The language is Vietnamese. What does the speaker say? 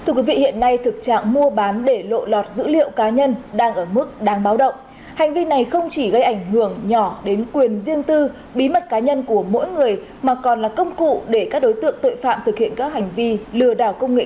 các bạn hãy đăng ký kênh để ủng hộ kênh của chúng mình nhé